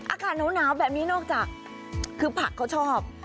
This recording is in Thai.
อากาศหนาวแบบนี้นอกจากคือผักเขาชอบ